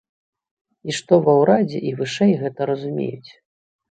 І што ва ўрадзе і вышэй гэта разумеюць.